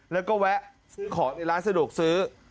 แล้วก็แวะซื้อของในร้านสะดวกซื้อ